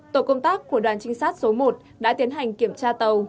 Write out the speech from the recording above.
tổ công tác của đoàn trinh sát số một đã tiến hành kiểm tra tàu